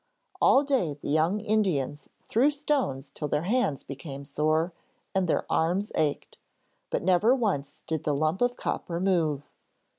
All day the young Indians threw stones till their hands became sore and their arms ached, but never once did the lump of copper move.